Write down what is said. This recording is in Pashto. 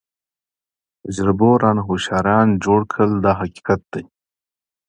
تجربو رانه هوښیاران جوړ کړل دا حقیقت دی.